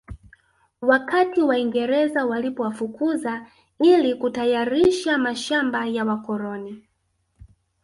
Wakati Waingereza walipowafukuza ili kutayarisha mashamba ya wakoloni